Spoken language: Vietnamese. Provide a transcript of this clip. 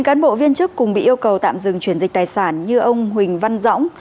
bốn cán bộ viên chức cùng bị yêu cầu tạm dừng chuyển dịch tài sản như ông huỳnh văn dõng